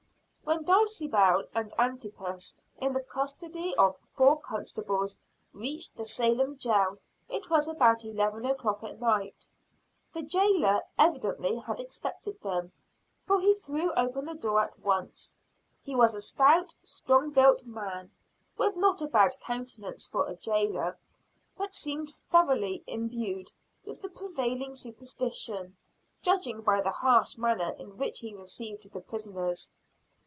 When Dulcibel and Antipas, in the custody of four constables, reached the Salem jail, it was about eleven o'clock at night. The jailor, evidently had expected them; for he threw open the door at once. He was a stout, strong built man, with not a bad countenance for a jailer; but seemed thoroughly imbued with the prevailing superstition, judging by the harsh manner in which he received the prisoners.